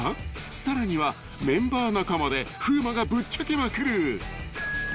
さらにはメンバー仲まで風磨がぶっちゃけまくる］